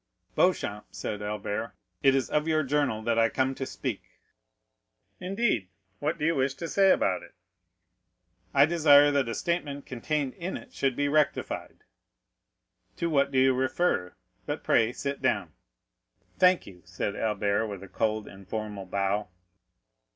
"Beauchamp," said Albert, "it is of your journal that I come to speak." "Indeed? What do you wish to say about it?" "I desire that a statement contained in it should be rectified." "To what do you refer? But pray sit down." "Thank you," said Albert, with a cold and formal bow.